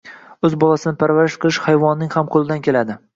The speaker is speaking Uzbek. O'z bolasini parvarish qilish hayvonning ham qo'lidan keladi.